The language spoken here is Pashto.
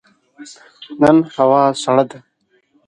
نن هوا سړه ده.